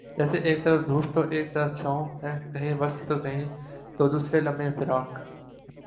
جیسے ایک طرف دھوپ تو ایک طرف چھاؤں ہے کہیں وصل تو دوسرے لمحےفراق